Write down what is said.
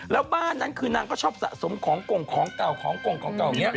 แล้วบ้านนั้นคือนางก็ชอบสะสมของเก่า